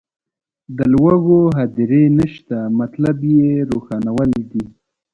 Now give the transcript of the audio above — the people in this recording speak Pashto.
د لوږو هدیرې نشته مطلب یې روښانول دي.